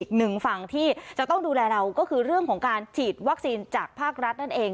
อีกหนึ่งฝั่งที่จะต้องดูแลเราก็คือเรื่องของการฉีดวัคซีนจากภาครัฐนั่นเอง